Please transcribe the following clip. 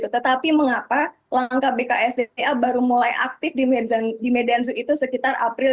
tetapi mengapa langkah bksda baru mulai aktif di medanzu itu sekitar april dua ribu dua puluh tiga